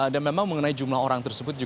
dan memang mengenai jumlah orang tersebut juga